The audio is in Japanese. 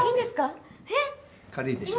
軽いでしょ。